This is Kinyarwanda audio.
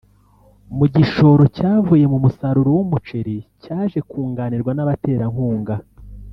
mu gishoro cyavuye mu musaruro w’umuceri cyaje kunganirwa n’abaterankunga